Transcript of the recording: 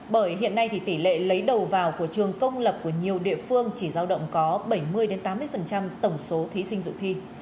bởi hiện nay thì tỷ lệ lấy đầu vào của trường công lập của nhiều địa phương chỉ giao động có bảy mươi tám mươi tổng số thí sinh dự thi